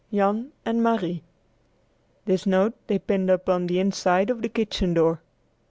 JAN AND MARIE." This note they pinned upon the inside of the kitchen door.